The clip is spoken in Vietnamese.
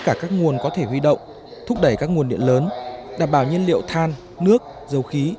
cả các nguồn có thể huy động thúc đẩy các nguồn điện lớn đảm bảo nhân liệu than nước dầu khí